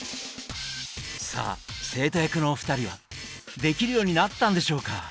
さあ生徒役のお二人はできるようになったんでしょうか？